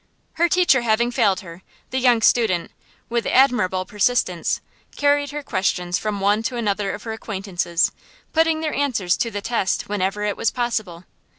Her teacher having failed her, the young student, with admirable persistence, carried her questions from one to another of her acquaintances, putting their answers to the test whenever it was possible.